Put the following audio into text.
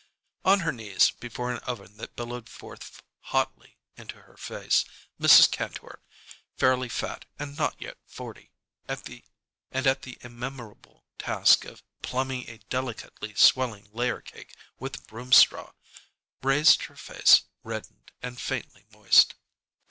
On her knees before an oven that billowed forth hotly into her face, Mrs. Kantor, fairly fat and not yet forty, and at the immemorial task of plumbing a delicately swelling layer cake with broom straw, raised her face, reddened and faintly moist.